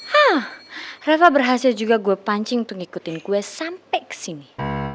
haa rafa berhasil juga gue pancing untuk ngikutin gue sampai kesini